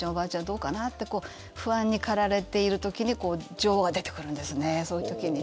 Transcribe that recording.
どうかなって不安に駆られている時に女王が出てくるんですね。